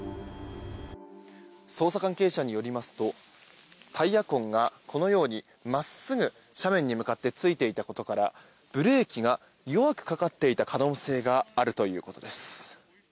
捜査関係者によりますとタイヤ痕が真っすぐ斜面に向かってついていたことからブレーキが弱くかかっていた可能性があるということです。